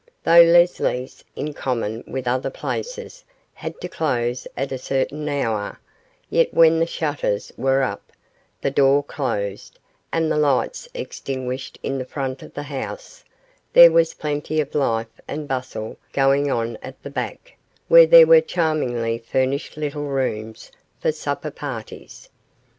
Though Leslie's, in common with other places had to close at a certain hour, yet when the shutters were up, the door closed, and the lights extinguished in the front of the house, there was plenty of life and bustle going on at the back, where there were charmingly furnished little rooms for supper parties.